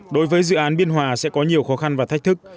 đối với dự án biên hòa sẽ có nhiều khó khăn và thách thức